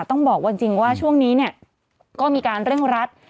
ต้องบอกว่าจริงว่าช่วงนี้เนี่ยก็มีการเร่งรัด